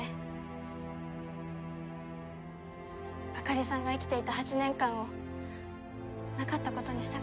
あかりさんが生きていた８年間をなかったことにしたくなかったから。